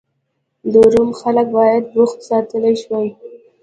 د روم خلک باید بوخت ساتل شوي وای